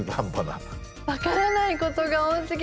分からないことが多すぎ。